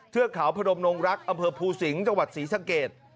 เทือกเขาพนมนงรักอำเภอภูสิงห์จังหวัดศรีสะเกด